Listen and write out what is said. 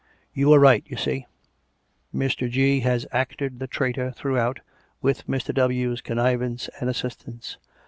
You were right, you see. Mr. G. has acted the traitor throughout, with Mr. W.'s con nivance and assistance.